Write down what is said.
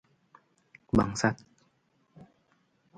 Bangsat!